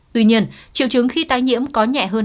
tuy nhiên triệu chứng khi tái nhiễm có nhẹ hơn